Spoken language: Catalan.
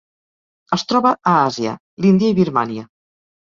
Es troba a Àsia: l'Índia i Birmània.